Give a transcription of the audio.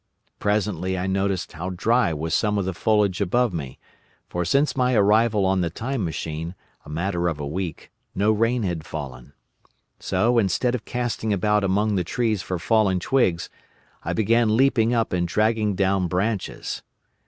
Presently I noticed how dry was some of the foliage above me, for since my arrival on the Time Machine, a matter of a week, no rain had fallen. So, instead of casting about among the trees for fallen twigs, I began leaping up and dragging down branches.